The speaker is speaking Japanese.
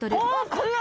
これは。